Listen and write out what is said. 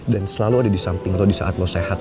dan selalu ada disamping lo disaat lo sehat